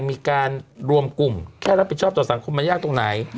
มีการรวมกลุ่มแค่รับผิดชอบต่อสังคมมันยากตรงไหน